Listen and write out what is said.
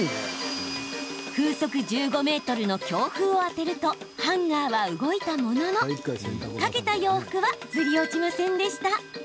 風速１５メートルの強風を当てるとハンガーは動いたものの掛けた洋服はずり落ちませんでした。